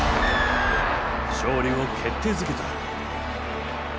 勝利を決定づけた。